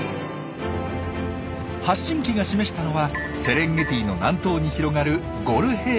発信機が示したのはセレンゲティの南東に広がるゴル平原。